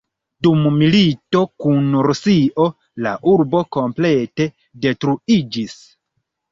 Dum milito kun Rusio, la urbo komplete detruiĝis.